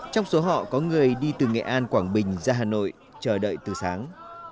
trong số họ có người đi từ nghệ an quảng bình ra hà nội chờ đợi từ sáng